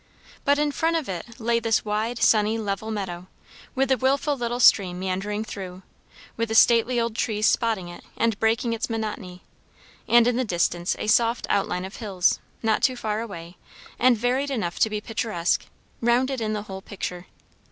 But in front of it lay this wide, sunny, level meadow, with the wilful little stream meandering through, with the stately old trees spotting it and breaking its monotony; and in the distance a soft outline of hills, not too far away, and varied enough to be picturesque, rounded in the whole picture.